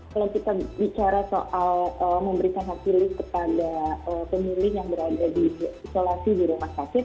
kalau kita bicara soal memberikan hak pilih kepada pemilih yang berada di isolasi di rumah sakit